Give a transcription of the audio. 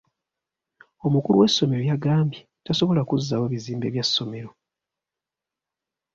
Omukulu w'essomero yagambye tasobola kuzzaawo bizimbe bya ssomero.